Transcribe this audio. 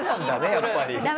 やっぱり。